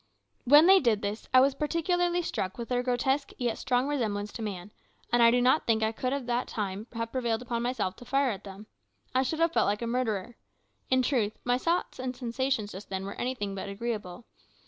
When they did this I was particularly struck with their grotesque yet strong resemblance to man, and I do not think that I could at that time have prevailed upon myself to fire at them. I should have felt like a murderer. In truth, my thoughts and sensations just then were anything but agreeable.